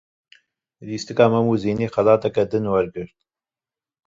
Lîstika Mem û Zînê xelateke din wergirt.